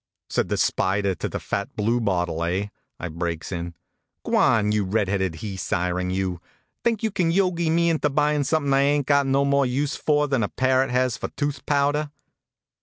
" Said the spider to the fat blue bottle, eh? " I breaks in. " Gwan, you red headed he siren, you! Think you can yogi me into buyin something I ain t got no more use for than a parrot has for tooth powder?